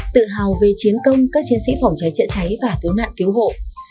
tự hào về chiến công các chiến sĩ phòng cháy chữa cháy và cứu nạn cứu hộ